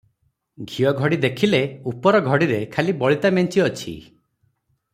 ଘିଅଘଡ଼ି ଦେଖିଲେ ଉପର ଘଡ଼ିରେ ଖାଲି ବଳିତା ମେଞ୍ଚି ଅଛି ।